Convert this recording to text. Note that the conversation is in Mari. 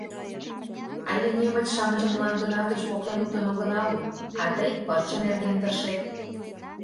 — Але немыч-шамычым мландына гыч поктен луктын огына ул, а тый пырче нерген тыршет.